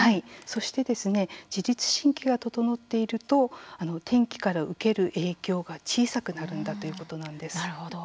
そして自律神経が整っていると天気から受ける影響が小さくなるんだということなんです。